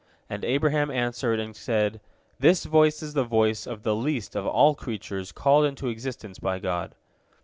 And Abraham answered, and said, "This voice is the voice of the least of all creatures called into existence by God."